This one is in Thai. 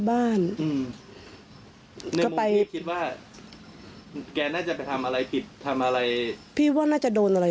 ล้านเปอร์เซ็นต์ค่ะ